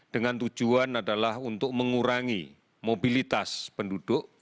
dengan tujuan adalah untuk mengurangi mobilitas penduduk